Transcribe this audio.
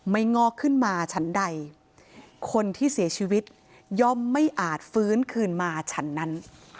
งอกขึ้นมาชั้นใดคนที่เสียชีวิตย่อมไม่อาจฟื้นคืนมาฉันนั้น